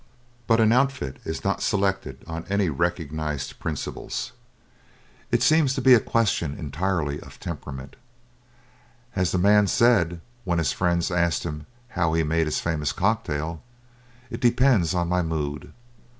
But an outfit is not selected on any recognized principles. It seems to be a question entirely of temperament. As the man said when his friends asked him how he made his famous cocktail, "It depends on my mood."